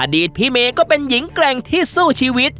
ตพี่เมย์ก็เป็นหญิงแกร่งที่สู้ชีวิต